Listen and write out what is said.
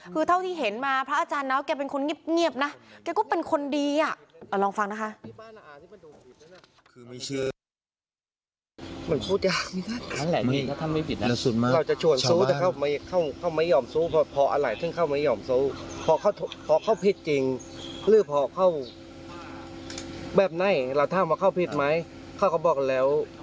คือเท่าที่เห็นมาพระอาจารย์น้าวแกเป็นคนเงียบนะแกก็เป็นคนดีอ่ะลองฟังนะคะ